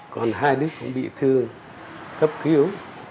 còn hai đứa con bị thương cấp cứu